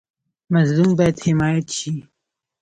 مظلوم باید حمایت شي